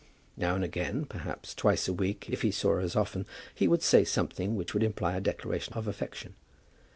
Now and again, perhaps twice a week, if he saw her as often, he would say something which would imply a declaration of affection.